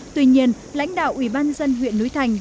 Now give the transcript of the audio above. tuy nhiên lãnh đạo ủy ban dân huyện núi thành